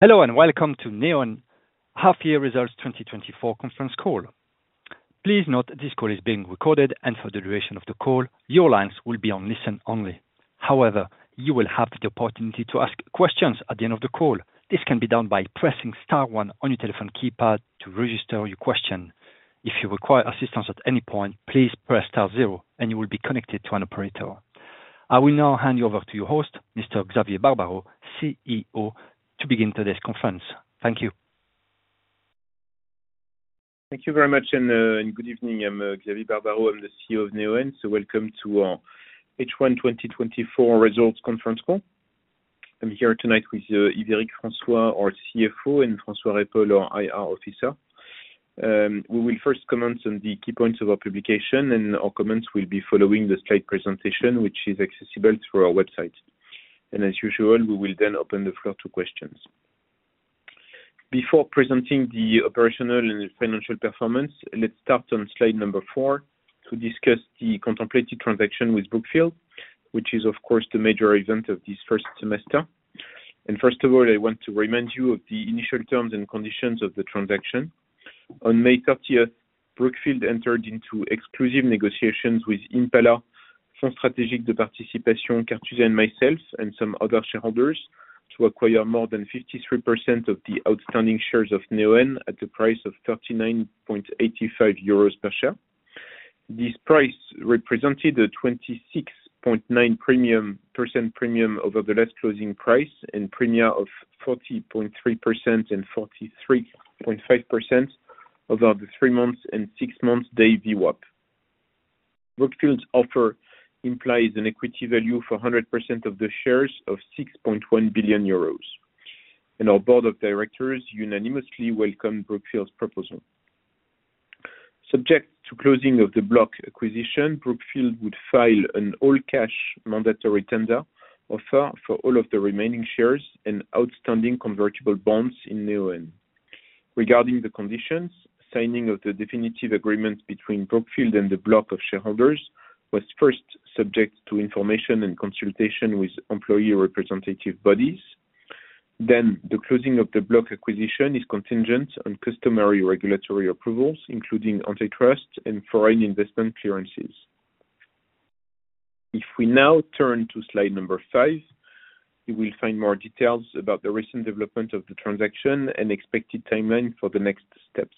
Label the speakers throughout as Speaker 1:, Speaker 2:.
Speaker 1: Hello, and welcome to Neoen Half-Year Results 2024 conference call. Please note this call is being recorded, and for the duration of the call, your lines will be on listen-only. However, you will have the opportunity to ask questions at the end of the call. This can be done by pressing star one on your telephone keypad to register your question. If you require assistance at any point, please press star zero and you will be connected to an operator. I will now hand you over to your host, Mr. Xavier Barbaro, CEO, to begin today's conference. Thank you.
Speaker 2: Thank you very much, and good evening. I'm Xavier Barbaro. I'm the CEO of Neoen. So welcome to our H1 2024 results conference call. I'm here tonight with Yves-Eric François, our CFO, and François Rappold, our IR officer. We will first comment on the key points of our publication, and our comments will be following the slide presentation, which is accessible through our website. As usual, we will then open the floor to questions. Before presenting the operational and financial performance, let's start on slide number four to discuss the contemplated transaction with Brookfield, which is, of course, the major event of this first semester. First of all, I want to remind you of the initial terms and conditions of the transaction. On May thirtieth, Brookfield entered into exclusive negotiations with Impala, Fonds Stratégique de Participations, Cartusia and myself, and some other shareholders, to acquire more than 53% of the outstanding shares of Neoen, at the price of 39.85 euros per share. This price represented a 26.9% premium, percent premium over the last closing price, and premium of 40.3% and 43.5% over the three months and six months day VWAP. Brookfield's offer implies an equity value for 100% of the shares of 6.1 billion euros, and our board of directors unanimously welcomed Brookfield's proposal. Subject to closing of the block acquisition, Brookfield would file an all-cash mandatory tender offer for all of the remaining shares and outstanding convertible bonds in Neoen. Regarding the conditions, signing of the definitive agreement between Brookfield and the block of shareholders was first subject to information and consultation with employee representative bodies. Then, the closing of the block acquisition is contingent on customary regulatory approvals, including antitrust and foreign investment clearances. If we now turn to slide number five, you will find more details about the recent development of the transaction and expected timeline for the next steps.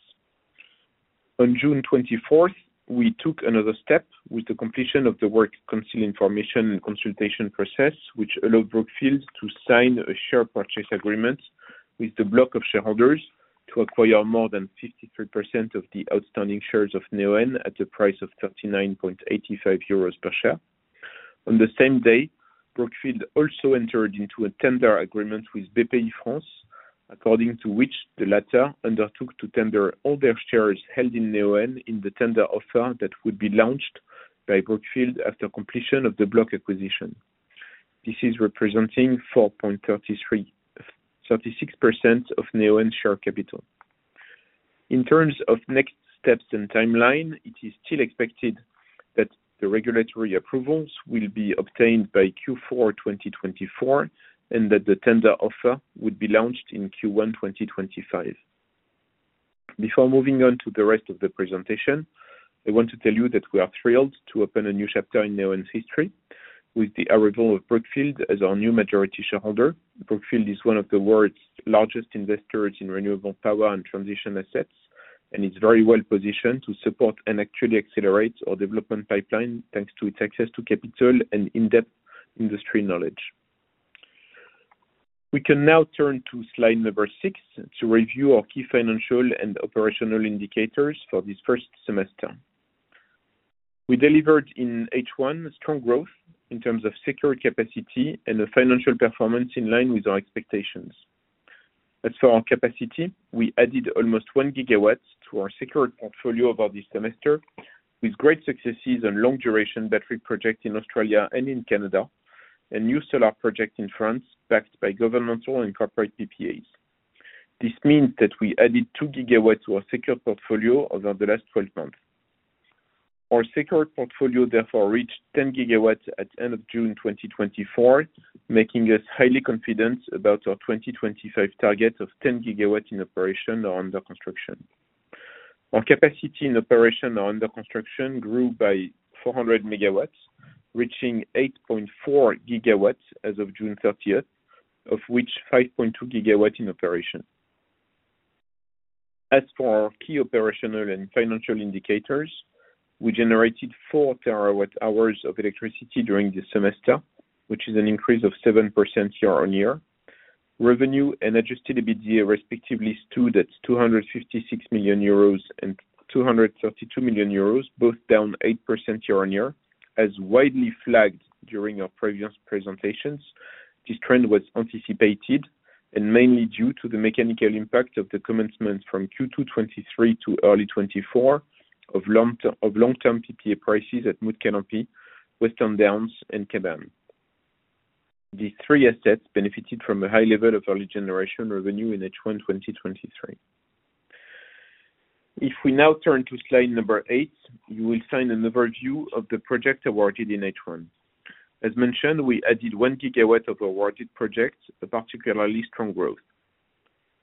Speaker 2: On June 24th, we took another step with the completion of the work council information and consultation process, which allowed Brookfield to sign a share purchase agreement with the block of shareholders to acquire more than 53% of the outstanding shares of Neoen, at a price of 39.85 euros per share. On the same day, Brookfield also entered into a tender agreement with Bpifrance, according to which the latter undertook to tender all their shares held in Neoen in the tender offer that would be launched by Brookfield after completion of the block acquisition. This is representing 4.36% of Neoen's share capital. In terms of next steps and timeline, it is still expected that the regulatory approvals will be obtained by Q4 2024, and that the tender offer will be launched in Q1 2025. Before moving on to the rest of the presentation, I want to tell you that we are thrilled to open a new chapter in Neoen's history with the arrival of Brookfield as our new majority shareholder. Brookfield is one of the world's largest investors in renewable power and transition assets, and it's very well positioned to support and actually accelerate our development pipeline, thanks to its access to capital and in-depth industry knowledge. We can now turn to slide number six to review our key financial and operational indicators for this first semester. We delivered in H1 strong growth in terms of secured capacity and a financial performance in line with our expectations. As for our capacity, we added almost one gigawatt to our secured portfolio over the semester, with great successes on long-duration battery project in Australia and in Canada, and new solar project in France, backed by governmental and corporate PPAs. This means that we added two gigawatts to our secured portfolio over the last 12 months. Our secured portfolio therefore reached 10 GW at end of June 2024, making us highly confident about our 2025 target of 10 GW in operation or under construction. Our capacity in operation or under construction grew by 400 MW, reaching 8.4 GW as of June 30, of which 5.2 GW in operation. As for our key operational and financial indicators, we generated 4 TWh of electricity during the semester, which is an increase of 7% year-on-year. Revenue and Adjusted EBITDA respectively stood at 256 million euros and 232 million euros, both down 8% year-on-year. As widely flagged during our previous presentations, this trend was anticipated and mainly due to the mechanical impact of the commencement from Q2 2023 to early 2024 of long-term, of long-term PPA prices at Mutkalampi, Western Downs and Kaban. These three assets benefited from a high level of early generation revenue in H1 2023. If we now turn to slide eight, you will find an overview of the projects awarded in H1. As mentioned, we added 1 GW of awarded projects, a particularly strong growth.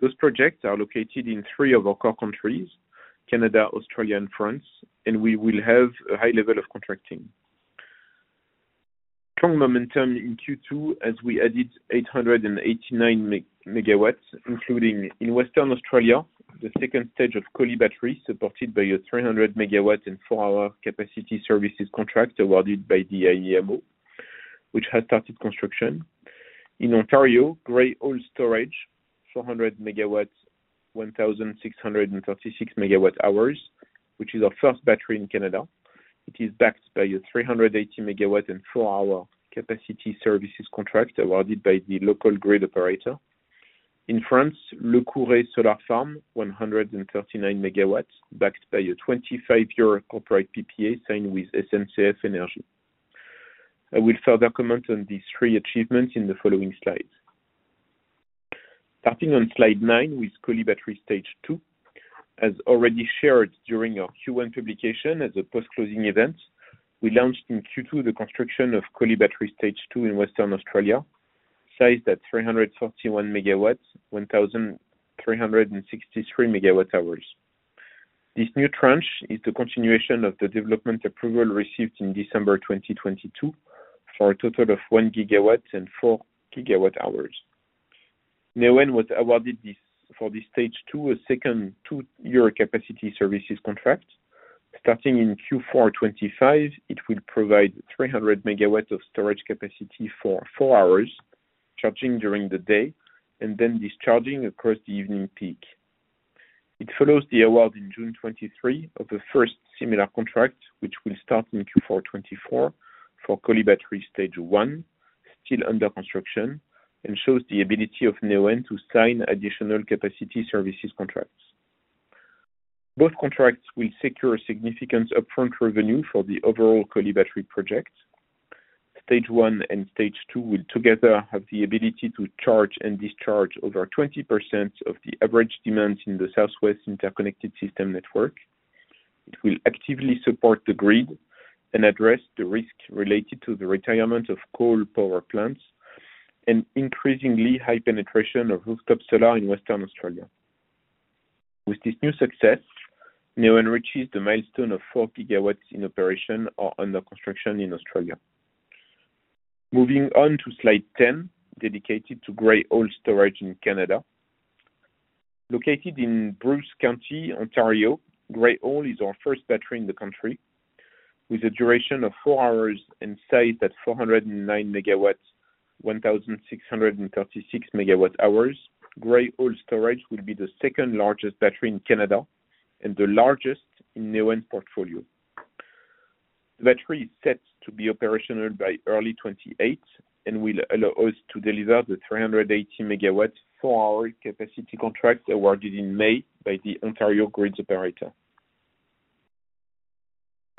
Speaker 2: Those projects are located in three of our core countries, Canada, Australia, and France, and we will have a high level of contracting. Strong momentum in Q2 as we added 889 MW, including in Western Australia, the second stage of Collie Battery, supported by a 300 MW and four-hour capacity services contract awarded by the AEMO, which has started construction. In Ontario, Grey Owl Storage, 400 MW, 1,636 MWh, which is our first battery in Canada. It is backed by a 380 MW and four-hour capacity services contract awarded by the local grid operator. In France, Le Couret Solar Farm, 139 MW, backed by a 25-year corporate PPA signed with SNCF Énergie. I will further comment on these three achievements in the following slides. Starting on slide nine with Collie Battery Stage II. As already shared during our Q1 publication as a post-closing event, we launched in Q2 the construction of Collie Battery Stage II in Western Australia, sized at 341 MW, 1,363 MWh. This new tranche is the continuation of the development approval received in December 2022, for a total of 1 GW and 4 GWh. Neoen was awarded this, for the stage two, a second two-year capacity services contract. Starting in Q4 2025, it will provide 300 MW of storage capacity for four hours, charging during the day and then discharging across the evening peak. It follows the award in June 2023 of the first similar contract, which will start in Q4 2024 for Collie Battery Stage I, still under construction, and shows the ability of Neoen to sign additional capacity services contracts. Both contracts will secure a significant upfront revenue for the overall Collie Battery project. Stage I and Stage II will together have the ability to charge and discharge over 20% of the average demand in the Southwest Interconnected System Network. It will actively support the grid and address the risk related to the retirement of coal power plants and increasingly high penetration of rooftop solar in Western Australia. With this new success, Neoen reaches the milestone of 4 GW in operation or under construction in Australia. Moving on to Slide 10, dedicated to Grey Owl Storage in Canada. Located in Bruce County, Ontario, Grey Owl is our first battery in the country with a duration of four hours and sized at 409 MW, 1,636 MWh. Grey Owl Storage will be the second-largest battery in Canada and the largest in Neoen portfolio. The battery is set to be operational by early 2028 and will allow us to deliver the 380 megawatts four-hour capacity contract awarded in May by the Ontario grid operator.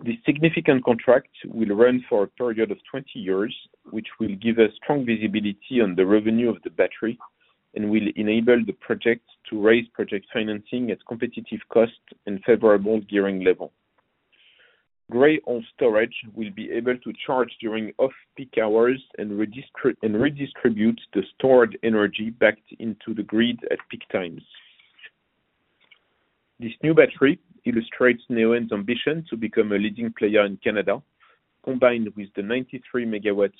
Speaker 2: This significant contract will run for a period of 20 years, which will give us strong visibility on the revenue of the battery and will enable the project to raise project financing at competitive cost and favorable gearing level. Grey Owl Storage will be able to charge during off-peak hours and redistribute the stored energy back into the grid at peak times. This new battery illustrates Neoen's ambition to become a leading player in Canada. Combined with the 93-megawatt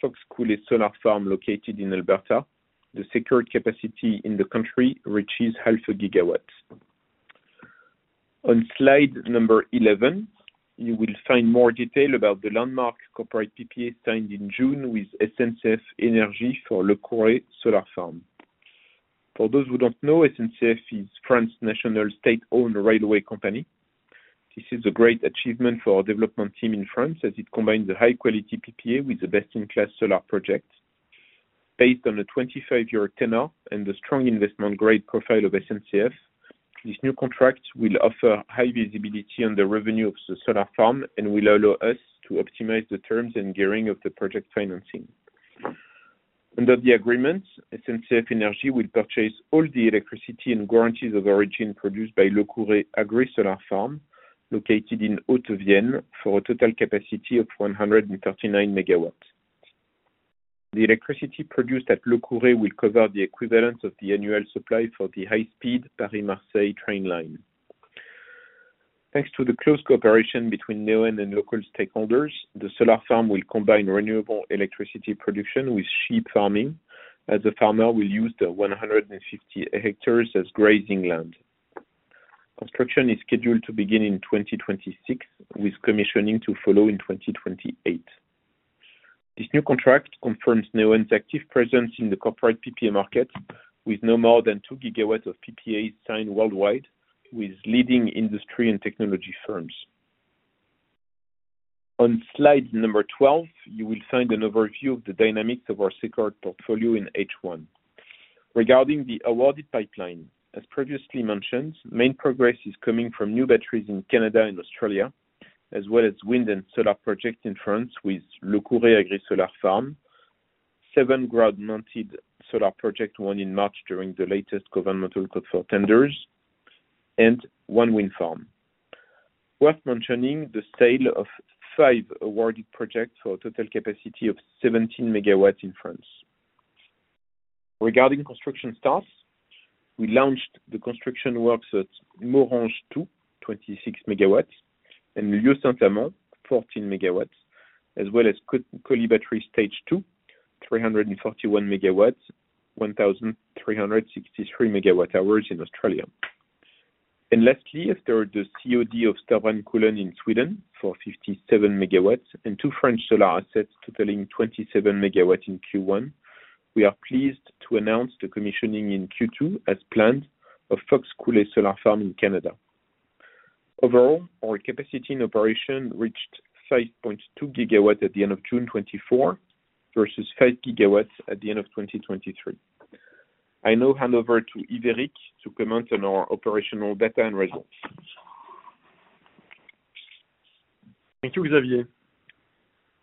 Speaker 2: Fox Coulee Solar Farm located in Alberta, the secured capacity in the country reaches 0.5 gigawatts. On slide number 11, you will find more detail about the landmark corporate PPA signed in June with SNCF Énergie for Le Couret Solar Farm. For those who don't know, SNCF is France's national state-owned railway company. This is a great achievement for our development team in France, as it combines the high-quality PPA with a best-in-class solar project. Based on a 25-year tenure and the strong investment grade profile of SNCF, this new contract will offer high visibility on the revenue of the solar farm and will allow us to optimize the terms and gearing of the project financing. Under the agreement, SNCF Énergie will purchase all the electricity and guarantees of origin produced by Le Couret Agri Solar Farm, located in Haute-Vienne, for a total capacity of 139 MW. The electricity produced at Le Couret will cover the equivalent of the annual supply for the high-speed Paris-Marseille train line. Thanks to the close cooperation between Neoen and local stakeholders, the solar farm will combine renewable electricity production with sheep farming, as the farmer will use the 150 hectares as grazing land. Construction is scheduled to begin in 2026, with commissioning to follow in 2028. This new contract confirms Neoen's active presence in the corporate PPA market, with no more than 2 GW of PPA signed worldwide with leading industry and technology firms. On slide number 12, you will find an overview of the dynamics of our secured portfolio in H1. Regarding the awarded pipeline, as previously mentioned, main progress is coming from new batteries in Canada and Australia, as well as wind and solar projects in France, with Le Couret Solar Farm... Seven ground-mounted solar projects won in March during the latest governmental call for tenders, and one wind farm. Worth mentioning, the sale of five awarded projects for a total capacity of 17 MW in France. Regarding construction starts, we launched the construction works at Morhange 2, 26 MW, and Lieu-Saint-Amand, 14 MW, as well as Collie Battery Stage II, 341 MW, 1,363 MWh in Australia. And lastly, after the COD of Storbrännkullen in Sweden for 57 MW and two French solar assets totaling 27 MW in Q1, we are pleased to announce the commissioning in Q2 as planned, of Fox Coulee Solar Farm in Canada. Overall, our capacity and operation reached 5.2 GW at the end of June 2024, versus 5 GW at the end of 2023. I now hand over to Yves-Eric to comment on our operational data and results.
Speaker 3: Thank you, Xavier.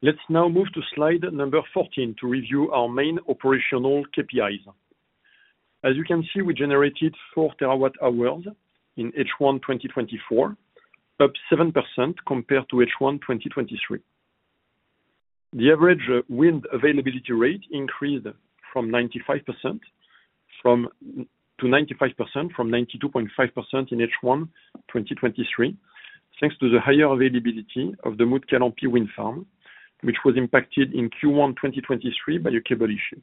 Speaker 3: Let's now move to slide number 14 to review our main operational KPIs. As you can see, we generated 4 TWh in H1 2024, up 7% compared to H1 2023. The average wind availability rate increased from 92.5% to 95% in H1 2023, thanks to the higher availability of the Mutkalampi wind farm, which was impacted in Q1 2023 by a cable issue.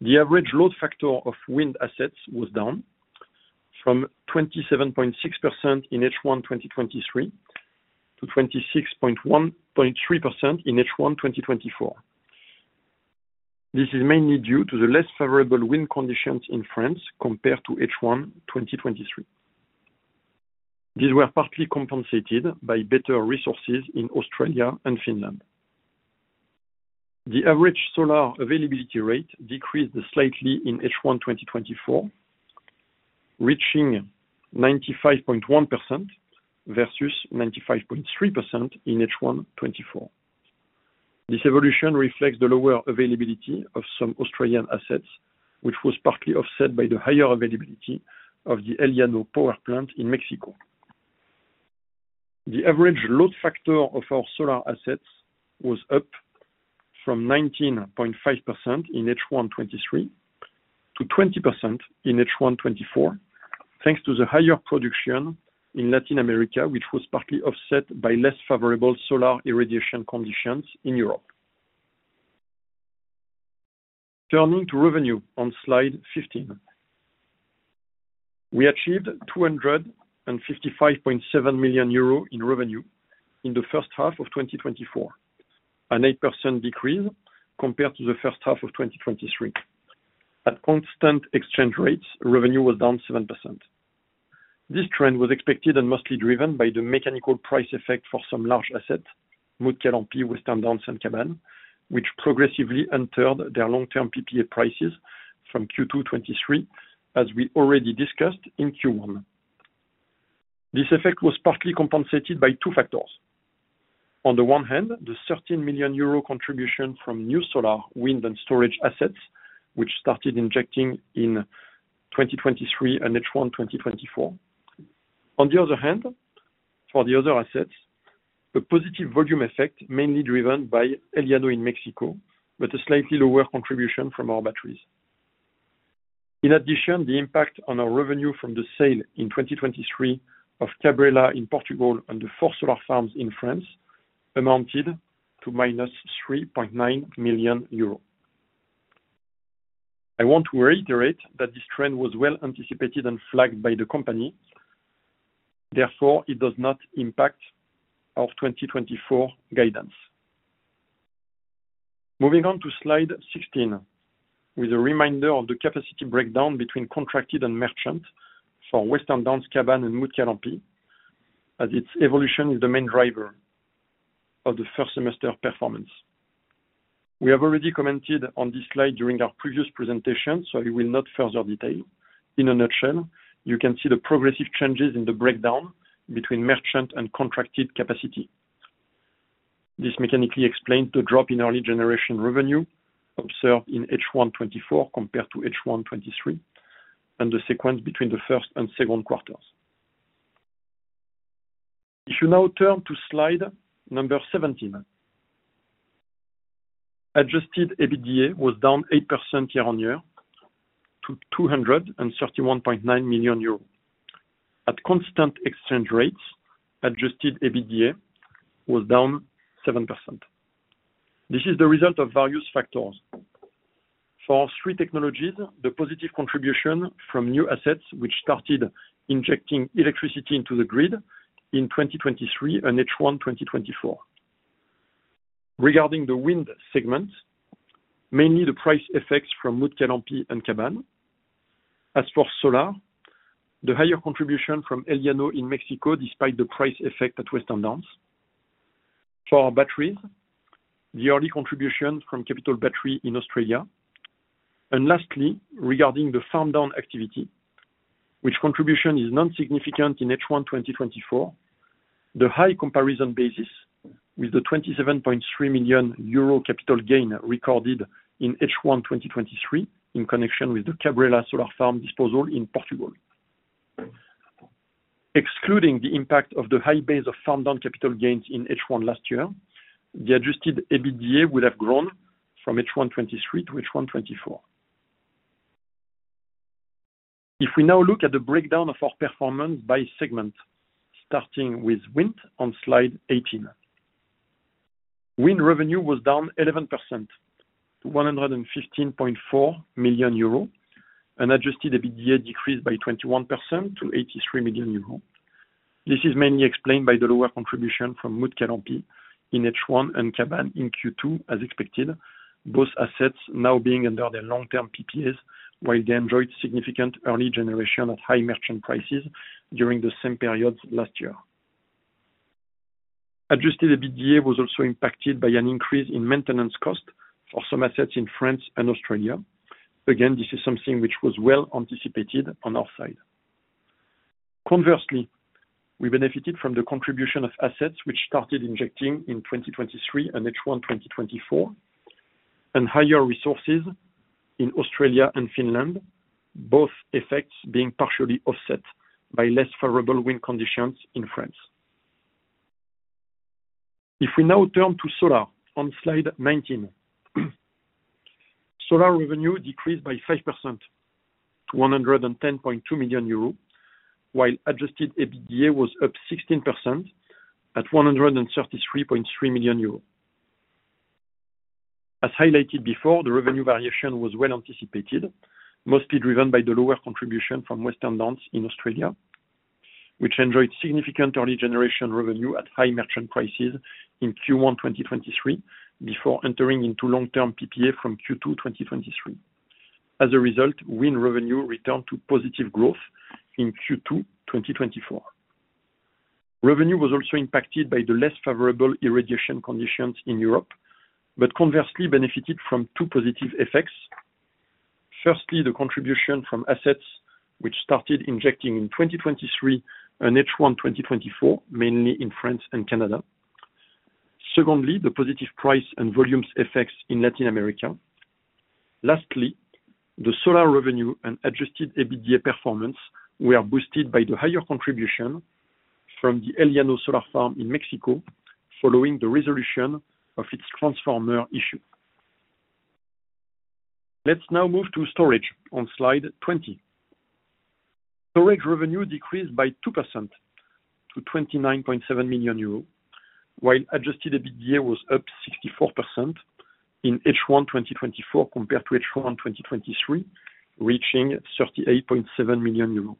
Speaker 3: The average load factor of wind assets was down from 27.6% in H1 2023 to 26.13% in H1 2024. This is mainly due to the less favorable wind conditions in France compared to H1 2023. These were partly compensated by better resources in Australia and Finland. The average solar availability rate decreased slightly in H1 2024, reaching 95.1% versus 95.3% in H1 2024. This evolution reflects the lower availability of some Australian assets, which was partly offset by the higher availability of the El Llano power plant in Mexico. The average load factor of our solar assets was up from 19.5% in H1 2023, to 20% in H1 2024, thanks to the higher production in Latin America, which was partly offset by less favorable solar irradiation conditions in Europe. Turning to revenue on slide 15. We achieved 255.7 million euros in revenue in the first half of 2024, an 8% decrease compared to the first half of 2023. At constant exchange rates, revenue was down 7%. This trend was expected and mostly driven by the mechanical price effect for some large assets, Mutkalampi, Western Downs, and Kaban, which progressively entered their long-term PPA prices from Q2 2023, as we already discussed in Q1. This effect was partly compensated by two factors. On the one hand, the 13 million euro contribution from new solar, wind, and storage assets, which started injecting in 2023 and H1 2024. On the other hand, for the other assets, a positive volume effect, mainly driven by El Llano in Mexico, with a slightly lower contribution from our batteries. In addition, the impact on our revenue from the sale in 2023 of Cabrela in Portugal and the four solar farms in France amounted to -3.9 million euros. I want to reiterate that this trend was well anticipated and flagged by the company, therefore, it does not impact our 2024 guidance. Moving on to slide 16, with a reminder of the capacity breakdown between contracted and merchant for Western Downs, Kaban, and Mutkalampi, as its evolution is the main driver of the first semester performance. We have already commented on this slide during our previous presentation, so I will not further detail. In a nutshell, you can see the progressive changes in the breakdown between merchant and contracted capacity. This mechanically explained the drop in early generation revenue observed in H1 2024, compared to H1 2023, and the sequence between the first and second quarters. If you now turn to slide 17. Adjusted EBITDA was down 8% year-on-year to 231.9 million euros. At constant exchange rates, Adjusted EBITDA was down 7%. This is the result of various factors. For our three technologies, the positive contribution from new assets, which started injecting electricity into the grid in 2023 and H1 2024. Regarding the wind segment, mainly the price effects from Mutkalampi and Kaban. As for solar, the higher contribution from El Llano in Mexico, despite the price effect at Western Downs. For our batteries, the early contribution from Capital Battery in Australia. And lastly, regarding the farm down activity, which contribution is non-significant in H1 2024, the high comparison basis with the 27.3 million euro capital gain recorded in H1 2023, in connection with the Cabrela Solar Farm disposal in Portugal. Excluding the impact of the high base of farm down capital gains in H1 2023, the Adjusted EBITDA would have grown from H1 2023 to H1 2024. If we now look at the breakdown of our performance by segment, starting with wind on slide 18. Wind revenue was down 11% to 115.4 million euro. Adjusted EBITDA decreased by 21% to 83 million euro. This is mainly explained by the lower contribution from Mutkalampi in H1 and Kaban in Q2, as expected. Both assets now being under their long-term PPAs, while they enjoyed significant early generation at high merchant prices during the same period last year. Adjusted EBITDA was also impacted by an increase in maintenance costs for some assets in France and Australia. Again, this is something which was well anticipated on our side. Conversely, we benefited from the contribution of assets which started injecting in 2023 and H1 2024, and higher resources in Australia and Finland, both effects being partially offset by less favorable wind conditions in France. If we now turn to solar on slide 19. Solar revenue decreased by 5% to 110.2 million euros, while Adjusted EBITDA was up 16% at 133.3 million euros. As highlighted before, the revenue variation was well anticipated, mostly driven by the lower contribution from Western Downs in Australia, which enjoyed significant early generation revenue at high merchant prices in Q1 2023, before entering into long-term PPA from Q2 2023. As a result, wind revenue returned to positive growth in Q2 2024. Revenue was also impacted by the less favorable irrigation conditions in Europe, but conversely benefited from two positive effects. Firstly, the contribution from assets which started injecting in 2023 and H1 2024, mainly in France and Canada. Secondly, the positive price and volumes effects in Latin America. Lastly, the solar revenue and Adjusted EBITDA performance were boosted by the higher contribution from the El Llano Solar Farm in Mexico, following the resolution of its transformer issue. Let's now move to storage on slide 20. Storage revenue decreased by 2% to 29.7 million euros, while Adjusted EBITDA was up 64% in H1 2024 compared to H1 2023, reaching 38.7 million euros.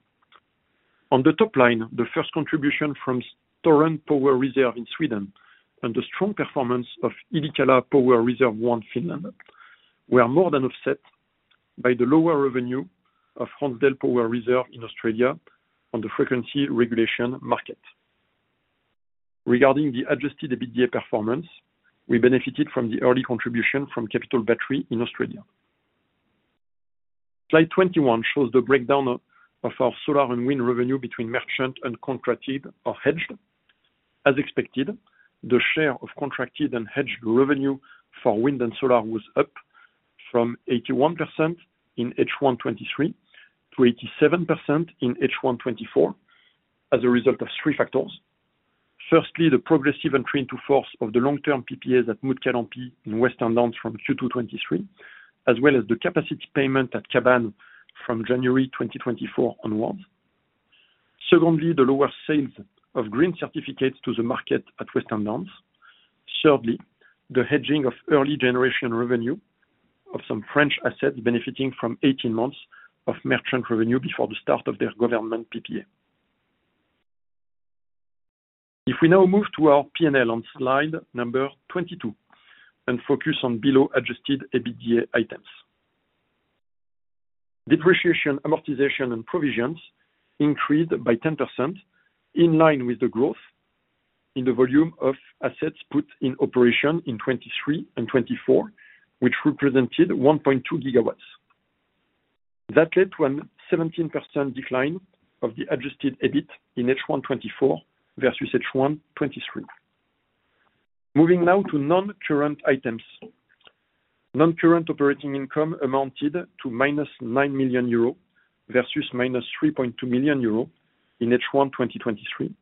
Speaker 3: On the top line, the first contribution from Storen Power Reserve in Sweden and the strong performance of Yllikkälä Power Reserve One, Finland, were more than offset by the lower revenue of Hornsdale Power Reserve in Australia on the frequency regulation market. Regarding the adjusted EBITDA performance, we benefited from the early contribution from Capital Battery in Australia. Slide 21 shows the breakdown of our solar and wind revenue between merchant and contracted or hedged. As expected, the share of contracted and hedged revenue for wind and solar was up from 81% in H1 2023 to 87% in H1 2024, as a result of three factors. Firstly, the progressive entry into force of the long-term PPAs at Mutkalampi in Western Downs from Q2 2023, as well as the capacity payment at Kaban from January 2024 onwards. Secondly, the lower sales of green certificates to the market at Western Downs. Thirdly, the hedging of early generation revenue of some French assets benefiting from 18 months of merchant revenue before the start of their government PPA. If we now move to our P&L on slide number 22 and focus on below Adjusted EBITDA items. Depreciation, amortization, and provisions increased by 10%, in line with the growth in the volume of assets put in operation in 2023 and 2024, which represented 1.2 GW. That led to a 17% decline of the Adjusted EBIT in H1 2024 versus H1 2023. Moving now to non-current items. Non-current operating income amounted to minus 9 million euros versus minus 3.2 million euros in H1 2023,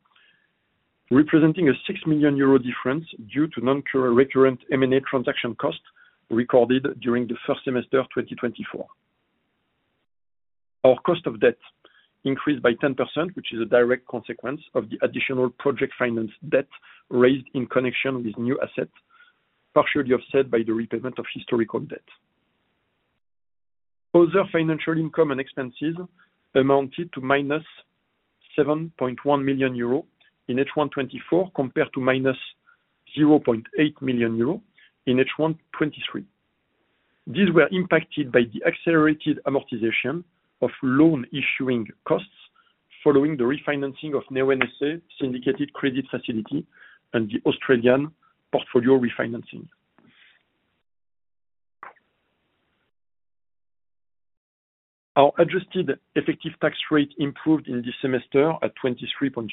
Speaker 3: representing a 6 million euro difference due to non-recurrent M&A transaction costs recorded during the first semester of 2024. Our cost of debt increased by 10%, which is a direct consequence of the additional project finance debt raised in connection with new assets, partially offset by the repayment of historical debt. Other financial income and expenses amounted to minus 7.1 million euro in H1 2024, compared to minus 0.8 million euro in H1 2023. These were impacted by the accelerated amortization of loan issuing costs following the refinancing of Neoen SA syndicated credit facility and the Australian portfolio refinancing. Our adjusted effective tax rate improved in this semester at 23.3%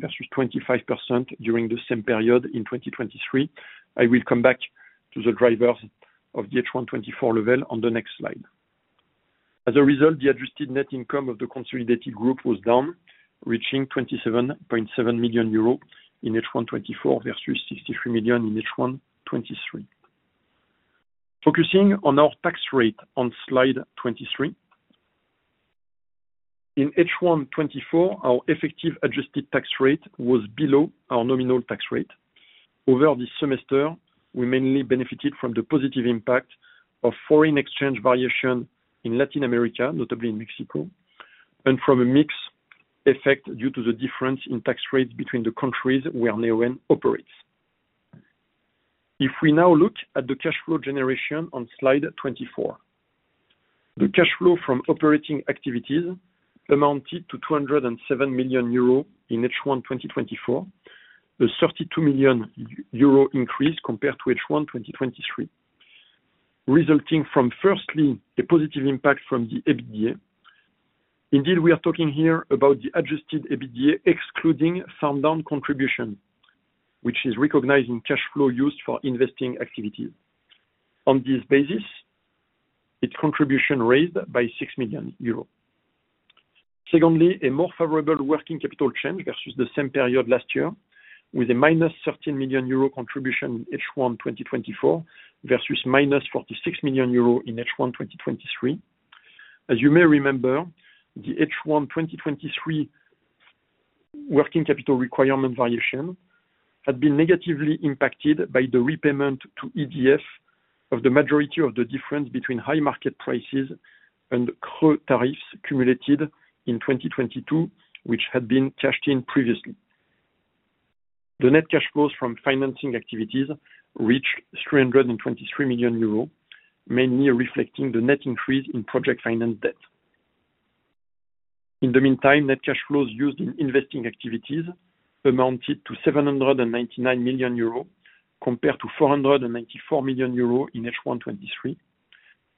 Speaker 3: versus 25% during the same period in 2023. I will come back to the drivers of the H1 2024 level on the next slide. As a result, the adjusted net income of the consolidated group was down, reaching 27.7 million euro in H1 2024, versus 63 million in H1 2023. Focusing on our tax rate on slide 23. In H1 2024, our effective adjusted tax rate was below our nominal tax rate. Over this semester, we mainly benefited from the positive impact of foreign exchange variation in Latin America, notably in Mexico, and from a mix effect due to the difference in tax rates between the countries where Neoen operates. If we now look at the cash flow generation on slide 24, the cash flow from operating activities amounted to 207 million euro in H1 2024, a 32 million euro increase compared to H1 2023, resulting from, firstly, a positive impact from the Adjusted EBITDA. Indeed, we are talking here about the Adjusted EBITDA, excluding farm down contribution, which is recognized in cash flow used for investing activities. On this basis, its contribution raised by 6 million euros. Secondly, a more favorable working capital change versus the same period last year, with a -13 million euro contribution in H1 2024, versus -46 million euro in H1 2023. As you may remember, the H1 2023 working capital requirement variation had been negatively impacted by the repayment to EDF of the majority of the difference between high market prices and crude tariffs cumulated in 2022, which had been cashed in previously. The net cash flows from financing activities reached 323 million euros, mainly reflecting the net increase in project finance debt. In the meantime, net cash flows used in investing activities amounted to 799 million euro, compared to 494 million euro in H1 2023,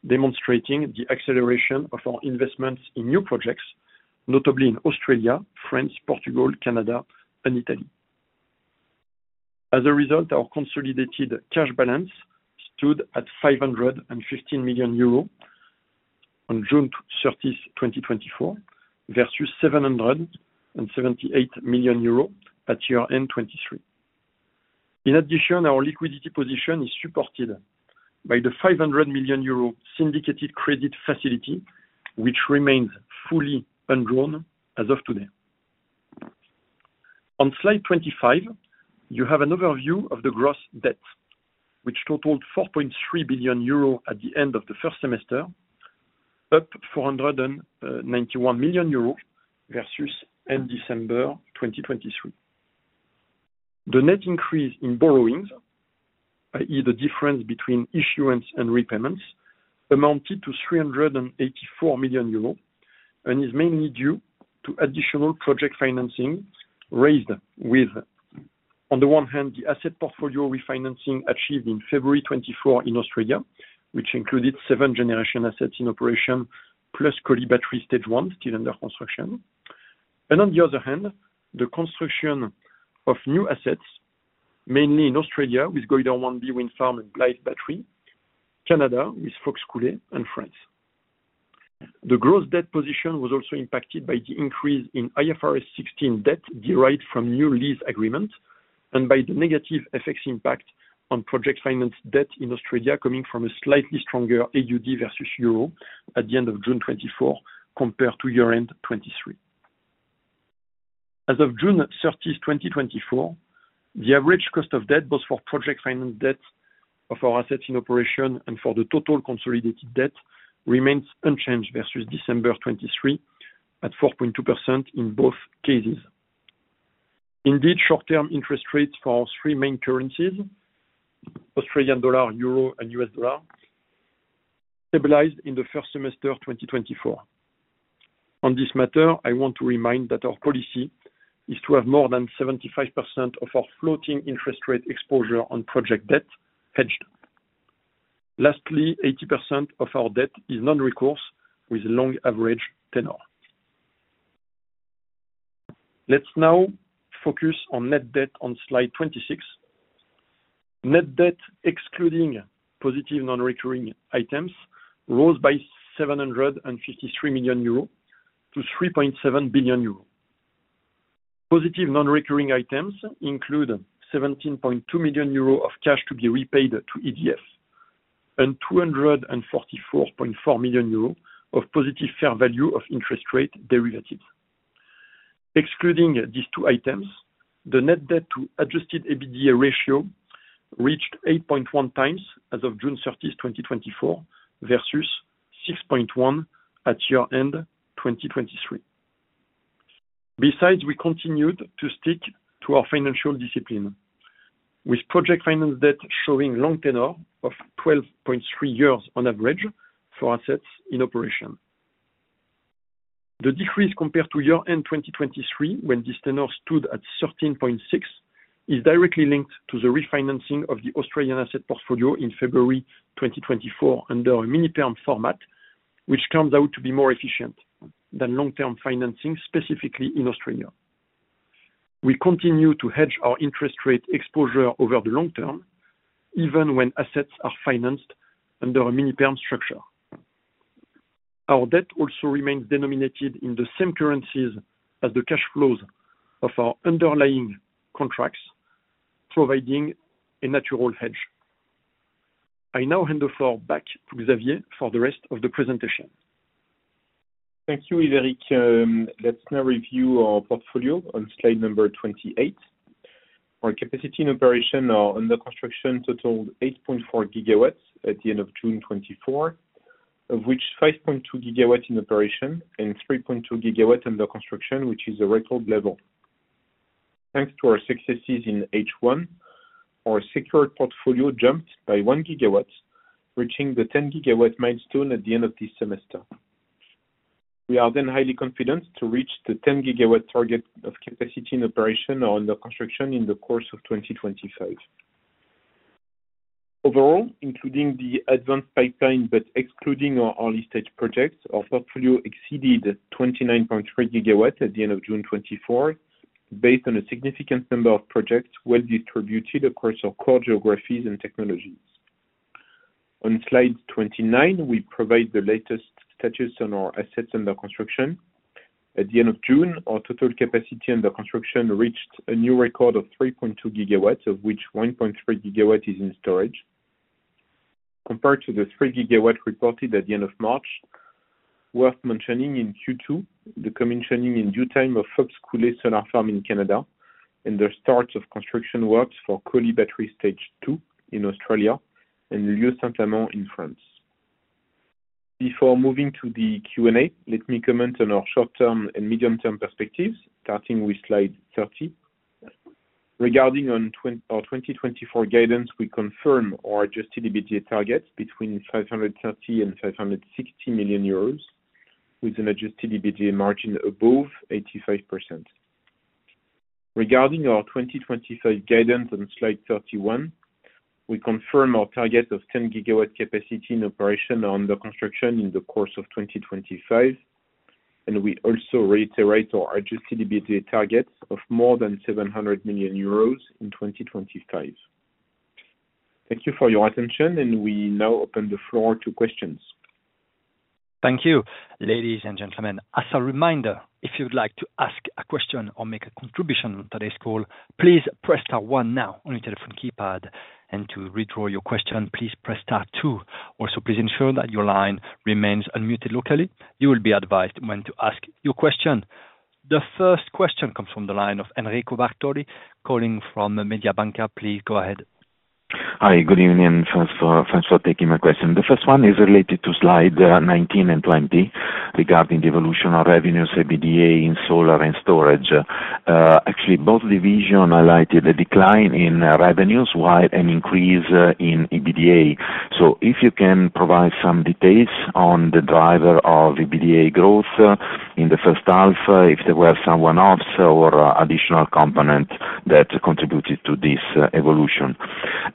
Speaker 3: demonstrating the acceleration of our investments in new projects, notably in Australia, France, Portugal, Canada, and Italy. As a result, our consolidated cash balance stood at 515 million euro on June 30, 2024, versus 778 million euro at year-end 2023. In addition, our liquidity position is supported by the 500 million euro syndicated credit facility, which remains fully undrawn as of today. On slide 25, you have an overview of the gross debt, which totaled 4.3 billion euro at the end of the first semester, up 491 million euro versus end December 2023. The net increase in borrowings, i.e., the difference between issuance and repayments, amounted to 384 million euros and is mainly due to additional project financing raised with, on the one hand, the asset portfolio refinancing achieved in February 2024 in Australia, which included seven generation assets in operation, plus Collie Battery Stage I, still under construction. And on the other hand, the construction of new assets, mainly in Australia, with Goyder One B Wind Farm and Blyth Battery, Canada, with Fox Coulee and France. The gross debt position was also impacted by the increase in IFRS 16 debt derived from new lease agreements, and by the negative FX impact on project finance debt in Australia, coming from a slightly stronger AUD versus euro at the end of June 2024, compared to year-end 2023. As of June 30, 2024, the average cost of debt, both for project finance debt of our assets in operation and for the total consolidated debt, remains unchanged versus December 2023, at 4.2% in both cases. Indeed, short-term interest rates for our three main currencies, Australian dollar, euro, and U.S. dollar, stabilized in the first semester of 2024. On this matter, I want to remind that our policy is to have more than 75% of our floating interest rate exposure on project debt hedged. Lastly, 80% of our debt is non-recourse, with a long average tenor. Let's now focus on net debt on slide 26. Net debt, excluding positive non-recurring items, rose by 753 million euros to 3.7 billion euros. Positive non-recurring items include 17.2 million euros of cash to be repaid to EDF and 244.4 million euros of positive fair value of interest rate derivatives. Excluding these two items, the net debt to Adjusted EBITDA ratio reached 8.1x as of June 30, 2024, versus 6.1 at year-end 2023. Besides, we continued to stick to our financial discipline.... With project finance debt showing long tenure of 12.3 years on average for assets in operation. The decrease compared to year-end 2023, when this tenure stood at 13.6, is directly linked to the refinancing of the Australian asset portfolio in February 2024, under a mini-perm format, which comes out to be more efficient than long-term financing, specifically in Australia. We continue to hedge our interest rate exposure over the long term, even when assets are financed under a mini-perm structure. Our debt also remains denominated in the same currencies as the cash flows of our underlying contracts, providing a natural hedge. I now hand the floor back to Xavier for the rest of the presentation.
Speaker 2: Thank you, Eric. Let's now review our portfolio on slide 28. Our capacity in operation are under construction, totaled 8.4 GW at the end of June 2024, of which 5.2 GW in operation and 3.2 GW under construction, which is a record level. Thanks to our successes in H1, our secured portfolio jumped by one GW, reaching the 10 GW milestone at the end of this semester. We are then highly confident to reach the 10 GW target of capacity in operation or under construction in the course of 2025. Overall, including the advanced pipeline, but excluding our early-stage projects, our portfolio exceeded 29.3 GW at the end of June 2024, based on a significant number of projects well distributed across our core geographies and technologies. On slide 29, we provide the latest status on our assets under construction. At the end of June, our total capacity under construction reached a new record of 3.2 GW, of which 1.3 GW is in storage. Compared to the 3 GW reported at the end of March, worth mentioning in Q2, the commissioning in due time of Fox Coulee Solar Farm in Canada, and the start of construction works for Collie Battery Stage II in Australia and Lieu-Saint-Amand in France. Before moving to the Q&A, let me comment on our short term and medium term perspectives, starting with slide 30. Regarding our 2024 guidance, we confirm our adjusted EBITDA targets between 530 million and 560 million euros, with an adjusted EBITDA margin above 85%. Regarding our 2025 guidance on slide 31, we confirm our target of 10 GW capacity in operation or under construction in the course of 2025, and we also reiterate our Adjusted EBITDA targets of more than 700 million euros in 2025. Thank you for your attention, and we now open the floor to questions.
Speaker 1: Thank you, ladies and gentlemen. As a reminder, if you'd like to ask a question or make a contribution on today's call, please press star one now on your telephone keypad, and to withdraw your question, please press star two. Also, please ensure that your line remains unmuted locally. You will be advised when to ask your question. The first question comes from the line of Enrico Bartoli, calling from Mediobanca. Please go ahead.
Speaker 4: Hi, good evening, and thanks for, thanks for taking my question. The first one is related to slide 19 and 20, regarding the evolution of revenues, EBITDA in solar and storage. Actually, both division highlighted the decline in revenues, while an increase in EBITDA. So if you can provide some details on the driver of EBITDA growth in the first half, if there were some one-offs or additional component that contributed to this evolution.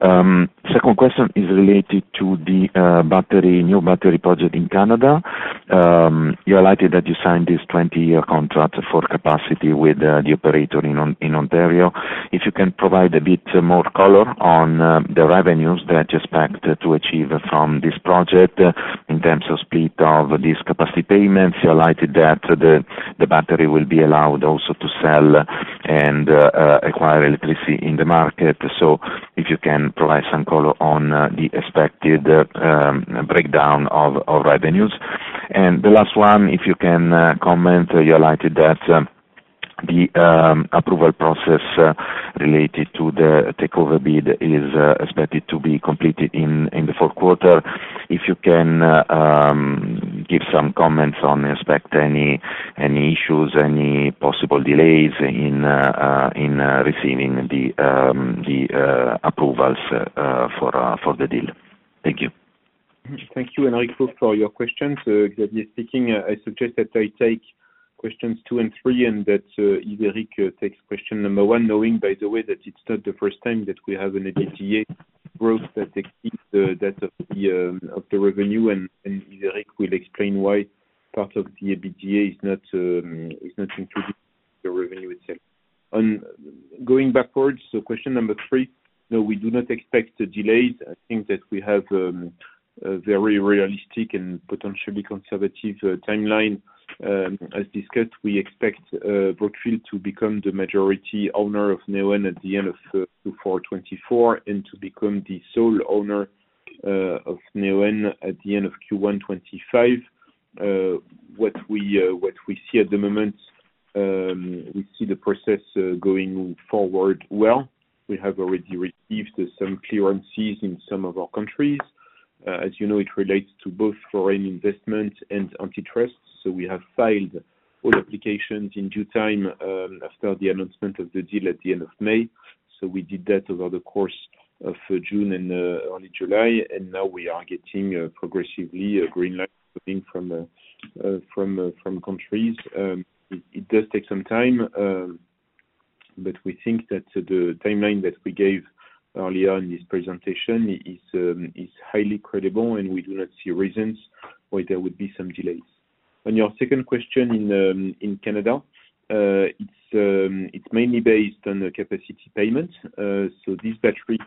Speaker 4: Second question is related to the battery, new battery project in Canada. You highlighted that you signed this 20-year contract for capacity with the operator in Ontario. If you can provide a bit more color on the revenues that you expect to achieve from this project in terms of split of these capacity payments. You highlighted that the battery will be allowed also to sell and acquire electricity in the market. So if you can provide some color on the expected breakdown of revenues? And the last one, if you can comment, you highlighted that the approval process related to the takeover bid is expected to be completed in the fourth quarter. If you can give some comments on expect any issues, any possible delays in receiving the approvals for the deal? Thank you.
Speaker 2: Thank you, Enrico, for your questions. Xavier speaking. I suggest that I take questions two and three, and that Yves-Eric takes question number one, knowing, by the way, that it's not the first time that we have an EBITDA growth that exceeds the, that of the revenue. And, and Yves-Eric will explain why part of the EBITDA is not included, the revenue itself. Going backwards, so question number three, no, we do not expect the delays. I think that we have a very realistic and potentially conservative timeline. As discussed, we expect Brookfield to become the majority owner of Neoen at the end of 2024, and to become the sole owner of Neoen at the end of Q1 2025. What we see at the moment, we see the process going forward well. We have already received some clearances in some of our countries, as you know, it relates to both foreign investment and antitrust. So we have filed all applications in due time, after the announcement of the deal at the end of May. So we did that over the course of June and early July, and now we are getting progressively a green light coming from countries. It does take some time, but we think that the timeline that we gave earlier in this presentation is highly credible, and we do not see reasons why there would be some delays. On your second question in Canada, it's mainly based on the capacity payment. So this battery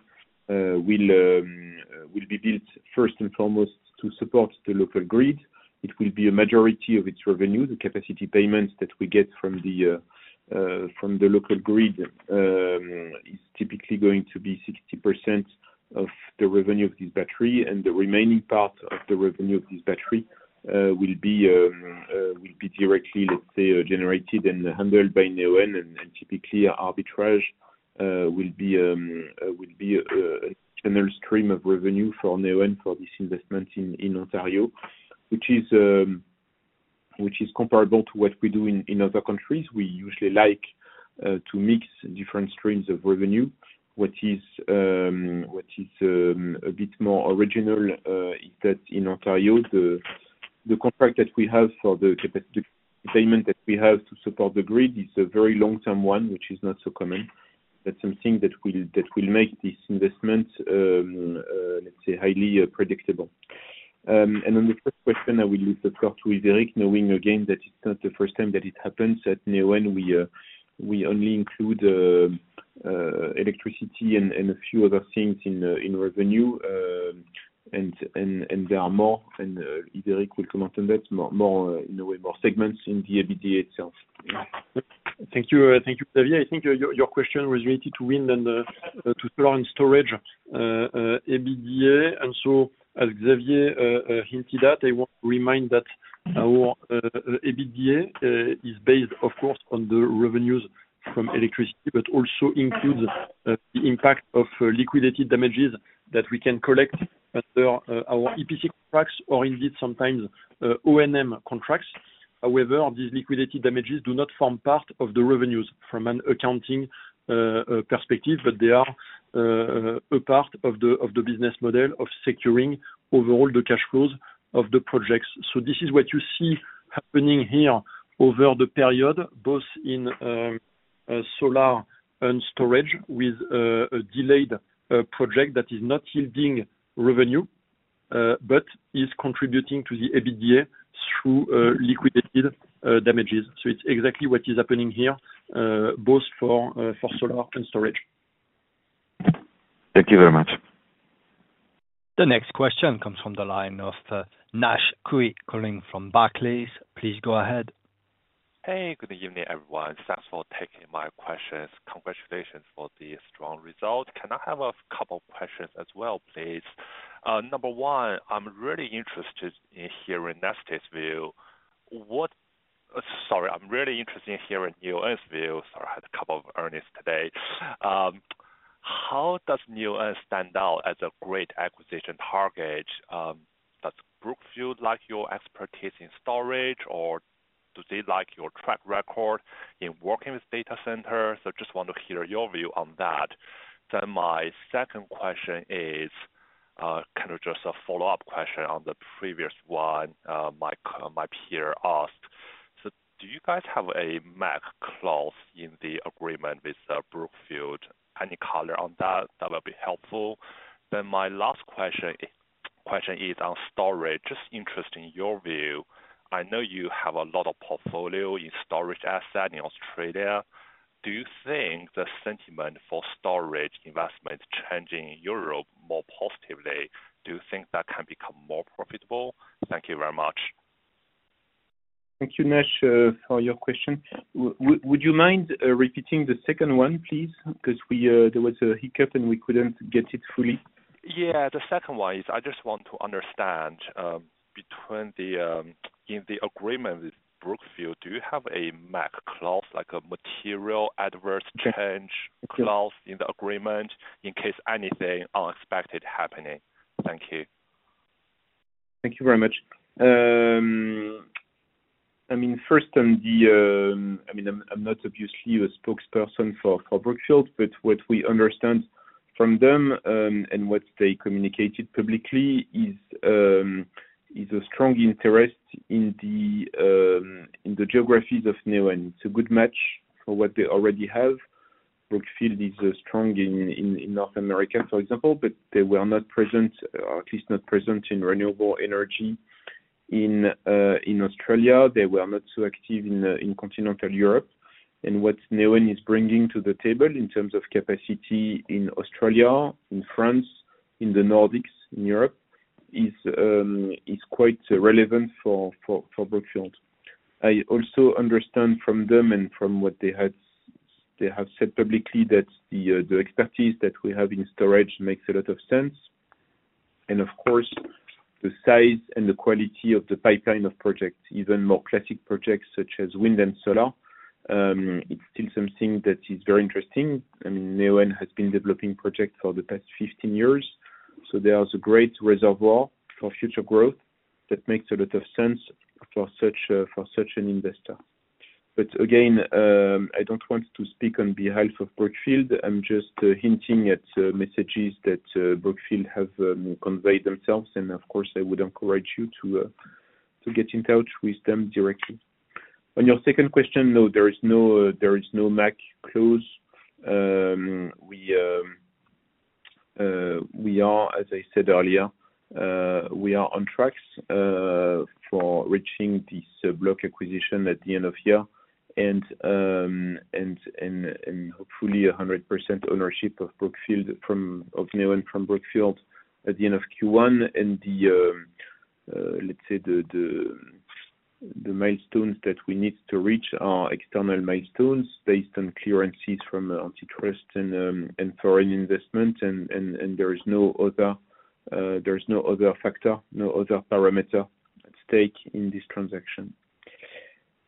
Speaker 2: will be built first and foremost to support the local grid. It will be a majority of its revenue, the capacity payments that we get from the local grid, is typically going to be 60% of the revenue of this battery. And the remaining part of the revenue of this battery will be directly, let's say, generated and handled by Neoen. And typically, arbitrage will be another stream of revenue for Neoen for this investment in Ontario, which is comparable to what we do in other countries. We usually like to mix different streams of revenue. What is a bit more original is that in Ontario, the contract that we have for the capacity payment that we have to support the grid is a very long-term one, which is not so common. That's something that will make this investment, let's say, highly predictable. And then the first question, I will leave the floor to Yves-Eric, knowing again that it's not the first time that it happens at Neoen. We only include electricity and a few other things in revenue. And there are more, and Yves-Eric will comment on that, more, more, in a way, more segments in the EBITDA itself.
Speaker 3: Thank you, thank you, Xavier. I think your question was related to wind and to solar and storage EBITDA. So, as Xavier hinted at, I want to remind that our EBITDA is based, of course, on the revenues from electricity, but also includes the impact of liquidated damages that we can collect under our EPC contracts, or indeed, sometimes, O&M contracts. However, these liquidated damages do not form part of the revenues from an accounting perspective, but they are a part of the business model of securing overall the cash flows of the projects. So this is what you see happening here over the period, both in solar and storage, with a delayed project that is not yielding revenue, but is contributing to the EBITDA through liquidated damages. So it's exactly what is happening here, both for solar and storage.
Speaker 4: Thank you very much.
Speaker 1: The next question comes from the line of Dominic Nash calling from Barclays. Please go ahead.
Speaker 5: Hey, good evening, everyone. Thanks for taking my questions. Congratulations for the strong result. Can I have a couple questions as well, please? Number one, I'm really interested in hearing Nestle's view. Sorry, I'm really interested in hearing Neoen's view. Sorry, I had a couple of earnings today. How does Neoen stand out as a great acquisition target? Does Brookfield like your expertise in storage, or do they like your track record in working with data centers? I just want to hear your view on that. Then my second question is, kind of just a follow-up question on the previous one, my peer asked. So do you guys have a MAC clause in the agreement with Brookfield? Any color on that, that would be helpful. Then my last question, question is on storage. Just interested in your view, I know you have a lot of portfolio in storage asset in Australia. Do you think the sentiment for storage investment changing Europe more positively? Do you think that can become more profitable? Thank you very much.
Speaker 2: Thank you, Nash, for your question. Would you mind repeating the second one, please? 'Cause we, there was a hiccup, and we couldn't get it fully.
Speaker 5: Yeah, the second one is I just want to understand, between the, in the agreement with Brookfield, do you have a MAC clause, like a material adverse change?
Speaker 2: Yeah...
Speaker 5: clause in the agreement, in case anything unexpected happening? Thank you.
Speaker 2: Thank you very much. I mean, first on the, I mean, I'm not obviously a spokesperson for Brookfield, but what we understand from them, and what they communicated publicly is, is a strong interest in the, in the geographies of Neoen. It's a good match for what they already have. Brookfield is strong in North America, for example, but they were not present, or at least not present, in renewable energy in Australia. They were not so active in continental Europe. And what Neoen is bringing to the table in terms of capacity in Australia, in France, in the Nordics, in Europe, is quite relevant for Brookfield. I also understand from them, and from what they had, they have said publicly, that the expertise that we have in storage makes a lot of sense. And of course the size and the quality of the pipeline of projects, even more classic projects such as wind and solar, it's still something that is very interesting. I mean, Neoen has been developing projects for the past 15 years, so there is a great reservoir for future growth that makes a lot of sense for such an investor. But again, I don't want to speak on behalf of Brookfield. I'm just hinting at messages that Brookfield have conveyed themselves, and of course, I would encourage you to get in touch with them directly. On your second question, no, there is no MAC clause. We are, as I said earlier, we are on track for reaching this block acquisition at the end of year. And hopefully 100% ownership of Brookfield from, of Neoen from Brookfield at the end of Q1. And the, let's say the milestones that we need to reach are external milestones based on clearances from antitrust and foreign investment. And there is no other factor, no other parameter at stake in this transaction.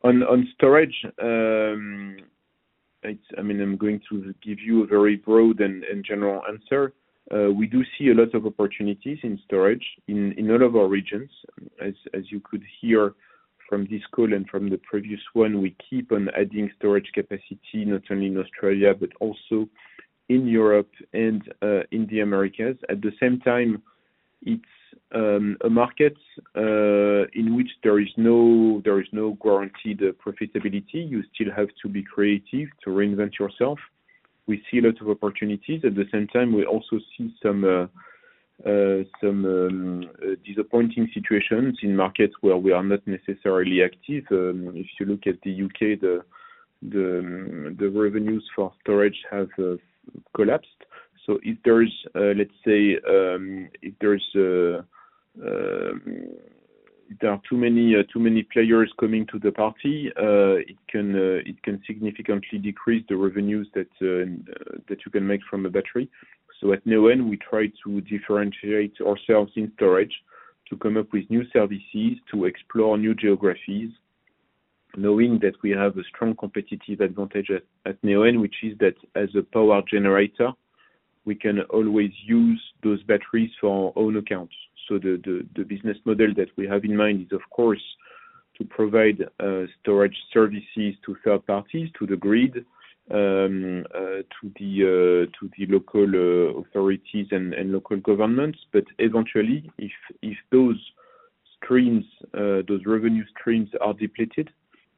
Speaker 2: On storage, it's I mean, I'm going to give you a very broad and general answer. We do see a lot of opportunities in storage in all of our regions. As you could hear from this call and from the previous one, we keep on adding storage capacity, not only in Australia, but also in Europe and in the Americas. At the same time, it's a market in which there is no, there is no guaranteed profitability. You still have to be creative to reinvent yourself. We see a lot of opportunities. At the same time, we also see some disappointing situations in markets where we are not necessarily active. If you look at the U.K., the revenues for storage has collapsed. So if there is, let's say, if there is, there are too many players coming to the party, it can significantly decrease the revenues that you can make from a battery. So at Neoen, we try to differentiate ourselves in storage, to come up with new services, to explore new geographies, knowing that we have a strong competitive advantage at Neoen, which is that as a power generator, we can always use those batteries for our own accounts. So the business model that we have in mind is, of course, to provide storage services to third parties, to the grid, to the local authorities and local governments. But eventually, if those revenue streams are depleted,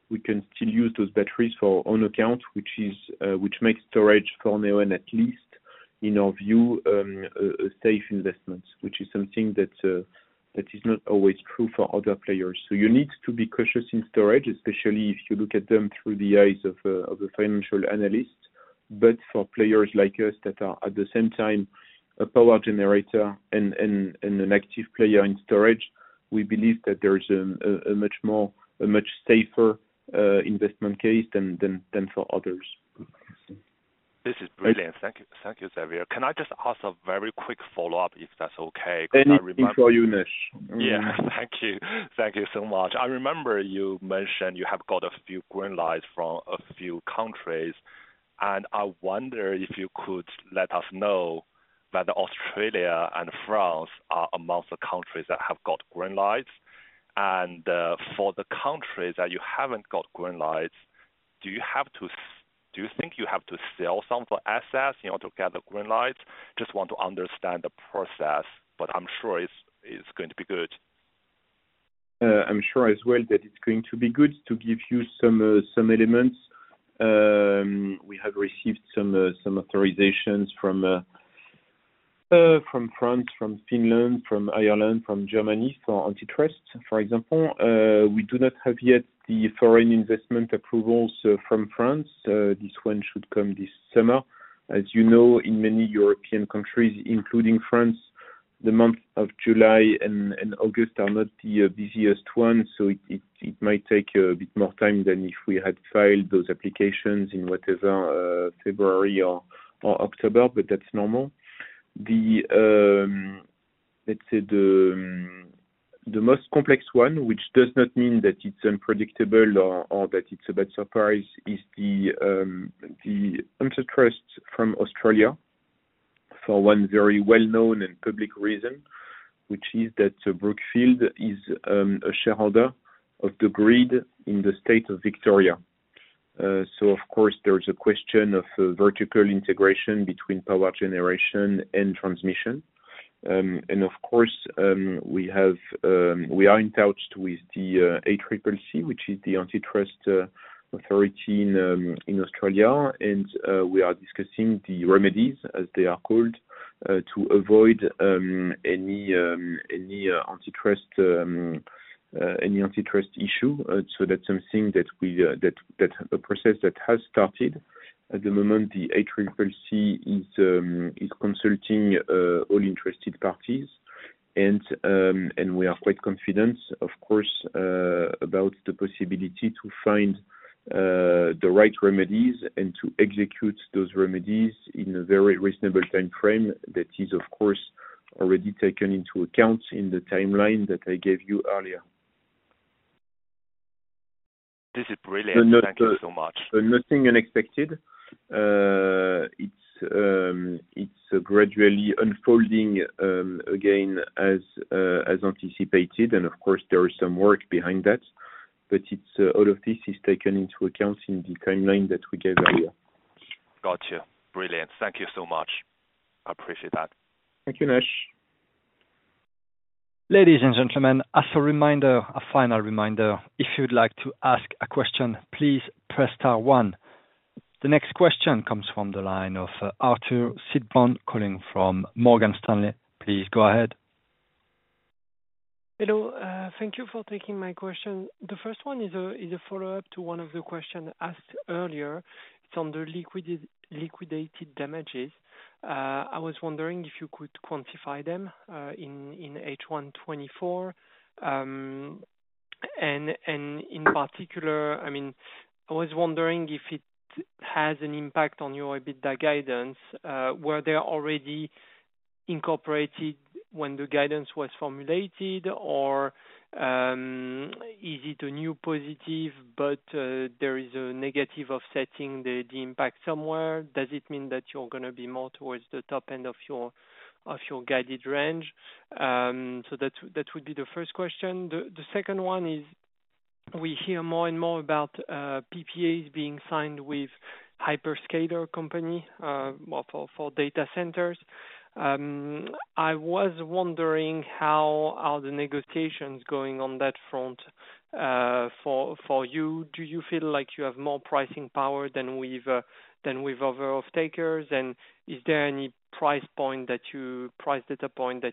Speaker 2: we can still use those batteries for our own account, which makes storage for Neoen, at least in our view, a safe investment, which is something that is not always true for other players. So you need to be cautious in storage, especially if you look at them through the eyes of a financial analyst. But for players like us that are at the same time a power generator and an active player in storage, we believe that there is a much more, a much safer investment case than for others.
Speaker 5: This is brilliant. Thank you. Thank you, Xavier. Can I just ask a very quick follow-up, if that's okay? 'Cause I remember-
Speaker 2: Sure, anything for you Nash.
Speaker 5: Yeah, thank you. Thank you so much. I remember you mentioned you have got a few green lights from a few countries, and I wonder if you could let us know whether Australia and France are among the countries that have got green lights. And for the countries that you haven't got green lights, do you think you have to sell some of the assets, you know, to get the green lights? Just want to understand the process, but I'm sure it's going to be good.
Speaker 2: I'm sure as well that it's going to be good to give you some elements. We have received some authorizations from France, from Finland, from Ireland, from Germany, for antitrust. For example, we do not have yet the foreign investment approvals from France. This one should come this summer. As you know, in many European countries, including France, the month of July and August are not the busiest ones, so it might take a bit more time than if we had filed those applications in, whatever, February or October, but that's normal. Let's say the most complex one, which does not mean that it's unpredictable or that it's a bad surprise, is the antitrust from Australia, for one very well-known and public reason, which is that Brookfield is a shareholder of the grid in the state of Victoria. So of course, there is a question of vertical integration between power generation and transmission. And of course, we are in touch with the ACCC, which is the antitrust authority in Australia. And we are discussing the remedies, as they are called, to avoid any antitrust issue. So that's something that... A process that has started. At the moment, the ACCC is consulting all interested parties, and we are quite confident, of course, about the possibility to find the right remedies and to execute those remedies in a very reasonable timeframe. That is, of course, already taken into account in the timeline that I gave you earlier....
Speaker 5: This is brilliant. Thank you so much.
Speaker 2: So nothing unexpected. It's gradually unfolding, again, as anticipated, and of course, there is some work behind that. But it's all of this is taken into account in the timeline that we gave earlier.
Speaker 5: Gotcha. Brilliant. Thank you so much. I appreciate that.
Speaker 2: Thank you, Nash.
Speaker 1: Ladies and gentlemen, as a reminder, a final reminder, if you'd like to ask a question, please press star one. The next question comes from the line of Arthur Sitbon, calling from Morgan Stanley. Please go ahead.
Speaker 6: Hello. Thank you for taking my question. The first one is a follow-up to one of the questions asked earlier. It's on the liquidated damages. I was wondering if you could quantify them in H1 2024. And in particular, I mean, I was wondering if it has an impact on your EBITDA guidance. Were they already incorporated when the guidance was formulated, or is it a new positive, but there is a negative of setting the impact somewhere? Does it mean that you're gonna be more towards the top end of your guided range? So that would be the first question. The second one is, we hear more and more about PPAs being signed with hyperscaler company, more for data centers. I was wondering how are the negotiations going on that front, for you? Do you feel like you have more pricing power than with other off-takers? And is there any price data point that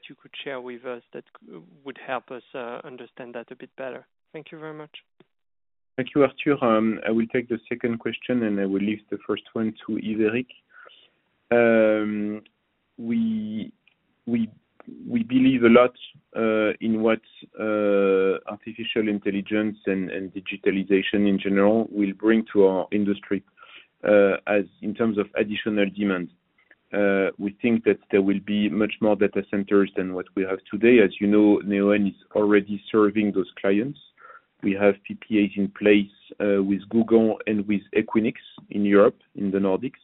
Speaker 6: you could share with us that would help us understand that a bit better? Thank you very much.
Speaker 2: Thank you, Arthur. I will take the second question, and I will leave the first one to Yves-Eric. We believe a lot in what artificial intelligence and digitalization in general will bring to our industry as in terms of additional demand. We think that there will be much more data centers than what we have today. As you know, Neoen is already serving those clients. We have PPAs in place with Google and with Equinix in Europe, in the Nordics,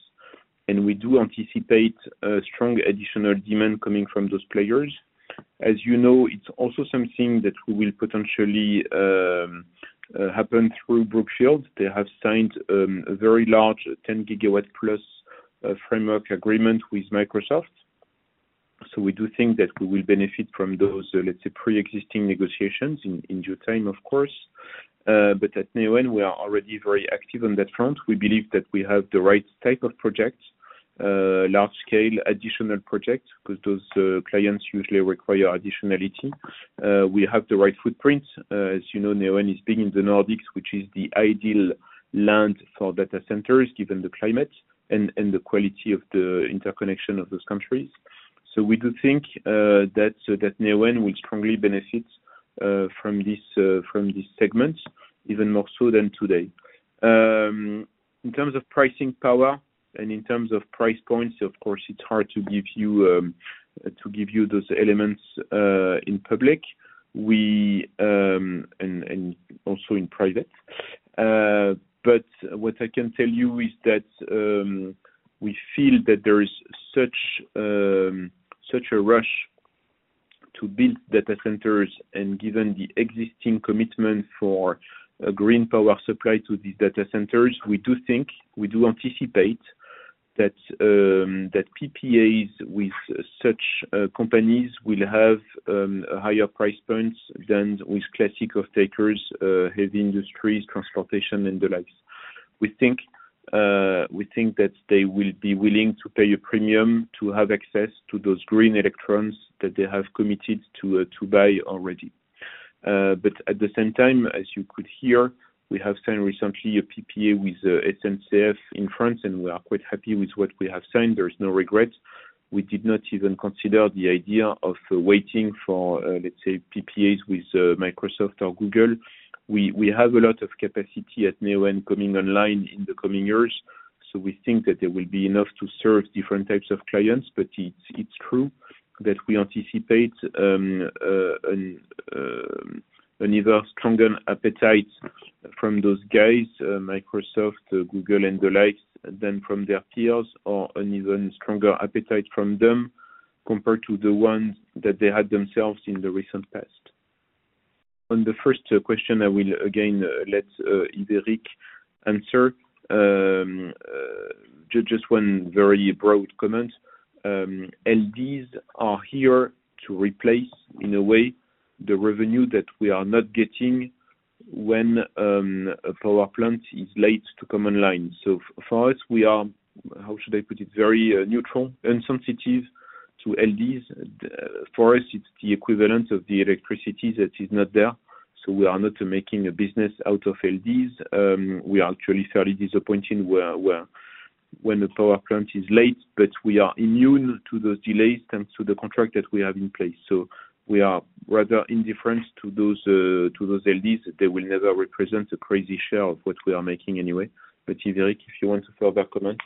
Speaker 2: and we do anticipate a strong additional demand coming from those players. As you know, it's also something that we will potentially happen through Brookfield. They have signed a very large 10 gigawatt plus framework agreement with Microsoft. So we do think that we will benefit from those, let's say, pre-existing negotiations in due time, of course. But at Neoen, we are already very active on that front. We believe that we have the right type of projects, large-scale additional projects, because those clients usually require additionality. We have the right footprint. As you know, Neoen is big in the Nordics, which is the ideal land for data centers, given the climate and the quality of the interconnection of those countries. We do think that Neoen will strongly benefit from this segment, even more so than today. In terms of pricing power and in terms of price points, of course, it's hard to give you those elements in public. We, and also in private. But what I can tell you is that, we feel that there is such a rush to build data centers, and given the existing commitment for a green power supply to these data centers, we do think, we do anticipate that, that PPAs with such, companies will have, higher price points than with classic off-takers, heavy industries, transportation, and the like. We think, we think that they will be willing to pay a premium to have access to those green electrons that they have committed to, to buy already. But at the same time, as you could hear, we have signed recently a PPA with, SNCF in France, and we are quite happy with what we have signed. There is no regrets. We did not even consider the idea of waiting for, let's say, PPAs with, Microsoft or Google. We, we have a lot of capacity at Neoen coming online in the coming years, so we think that there will be enough to serve different types of clients. But it's, it's true that we anticipate, an even stronger appetite from those guys, Microsoft, Google, and the like, than from their peers, or an even stronger appetite from them compared to the ones that they had themselves in the recent past. On the first, question, I will again, let, Eric answer. Just one very broad comment. And these are here to replace, in a way, the revenue that we are not getting when, a power plant is late to come online. So for us, we are, how should I put it? Very neutral and sensitive to LDs. For us, it's the equivalent of the electricity that is not there, so we are not making a business out of LDs. We are actually fairly disappointed when the power plant is late, but we are immune to those delays, thanks to the contract that we have in place. So we are rather indifferent to those LDs. They will never represent a crazy share of what we are making anyway. But Yves-Eric, if you want to further comment?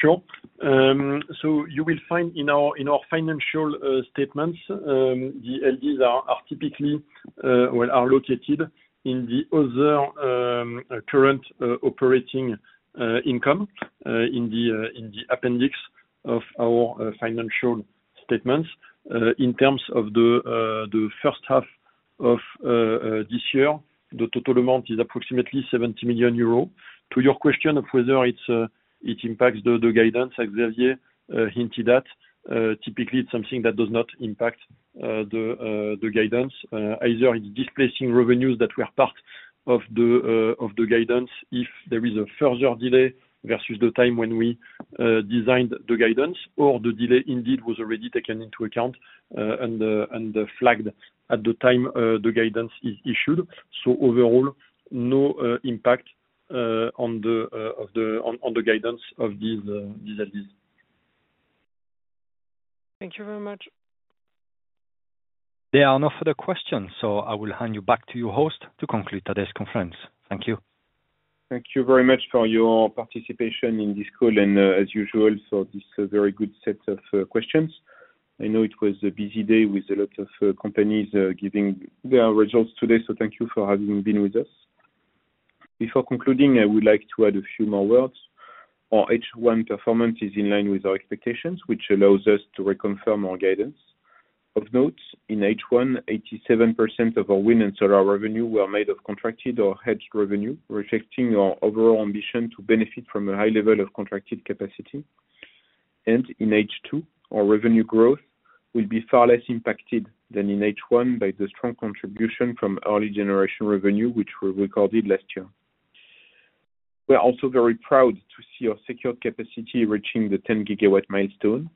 Speaker 3: Sure. So you will find in our financial statements the LDs are typically located in the other current operating income in the appendix of our financial statements. In terms of the first half of this year, the total amount is approximately 70 million euros. To your question of whether it's it impacts the guidance, as Xavier hinted at, typically it's something that does not impact the guidance. Either it's displacing revenues that were part of the guidance, if there is a further delay versus the time when we designed the guidance, or the delay indeed was already taken into account, and flagged at the time the guidance is issued. So overall, no impact on the guidance of these LDs.
Speaker 6: Thank you very much.
Speaker 1: There are no further questions, so I will hand you back to your host to conclude today's conference. Thank you.
Speaker 2: Thank you very much for your participation in this call, and, as usual, so this a very good set of questions. I know it was a busy day with a lot of companies giving their results today, so thank you for having been with us. Before concluding, I would like to add a few more words. Our H1 performance is in line with our expectations, which allows us to reconfirm our guidance. Of note, in H1, 87% of our wind and solar revenue were made of contracted or hedged revenue, reflecting our overall ambition to benefit from a high level of contracted capacity. In H2, our revenue growth will be far less impacted than in H1 by the strong contribution from early generation revenue, which we recorded last year. We're also very proud to see our secured capacity reaching the 10 GW milestone.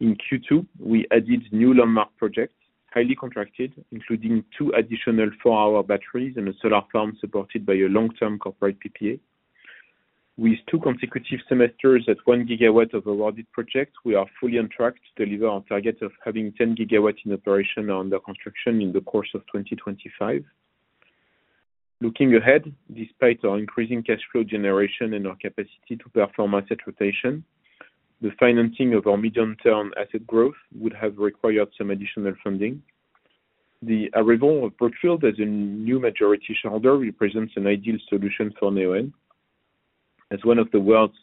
Speaker 2: In Q2, we added new landmark projects, highly contracted, including two additional four-hour batteries and a solar farm supported by a long-term corporate PPA. With two consecutive semesters at 1 GW of awarded projects, we are fully on track to deliver our target of having 10 GW in operation under construction in the course of 2025. Looking ahead, despite our increasing cash flow generation and our capacity to perform asset rotation, the financing of our medium-term asset growth would have required some additional funding. The arrival of Brookfield as a new majority shareholder represents an ideal solution for Neoen. As one of the world's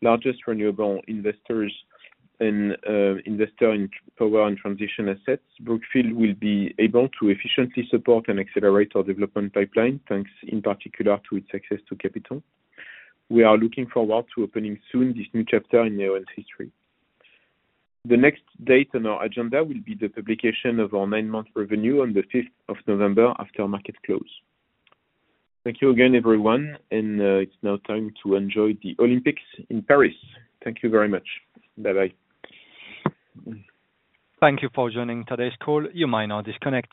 Speaker 2: largest renewable investors and investor in power and transition assets, Brookfield will be able to efficiently support and accelerate our development pipeline, thanks in particular to its access to capital. We are looking forward to opening soon this new chapter in Neoen's history. The next date on our agenda will be the publication of our nine-month revenue on the fifth of November, after market close. Thank you again, everyone, and, it's now time to enjoy the Olympics in Paris. Thank you very much. Bye-bye.
Speaker 1: Thank you for joining today's call. You may now disconnect.